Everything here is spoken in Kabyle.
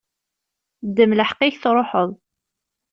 Ddem lḥeqq-ik tṛuḥeḍ.